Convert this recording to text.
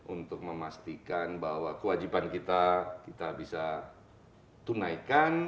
untuk memastikan bahwa kewajiban kita kita bisa tunaikan